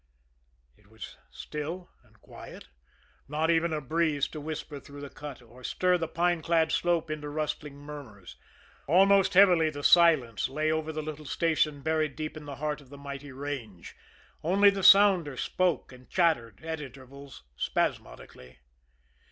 It was still and quiet not even a breeze to whisper through the cut, or stir the pine clad slope into rustling murmurs. Almost heavily the silence lay over the little station buried deep in the heart of the mighty range. Only the sounder spoke and chattered at intervals spasmodically.